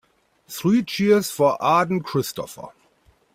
Three cheers for Aden Christopher.